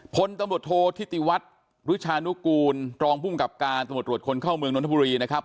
พลตำรวจโทษธิติวัฒน์รุชานุกูลรองภูมิกับการตำรวจตรวจคนเข้าเมืองนทบุรีนะครับ